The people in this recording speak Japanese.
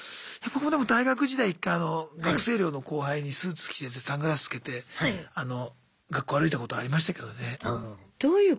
僕もでも大学時代１回あの学生寮の後輩にスーツ着せてサングラスつけて学校歩いたことありましたけどね。